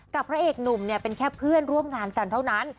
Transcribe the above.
พระเอกหนุ่มเนี่ยเป็นแค่เพื่อนร่วมงานกันเท่านั้น